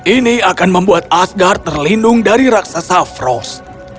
ini akan membuat asgard terlindung dari raksasa frost